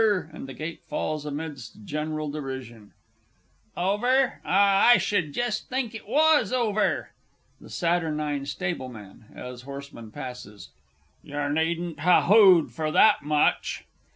and the gate falls amidst general derision._) Over? Ah, I should just think it was over! THE SATURNINE STABLEMAN (as horseman passes). Yer needn't ha' "Hoo'd" for that much!